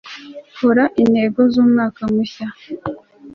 kora intego z'umwaka mushya